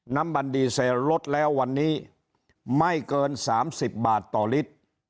น้ำมันดีเซลลดแล้ววันนี้ไม่เกิน๓๐บาทต่อลิตร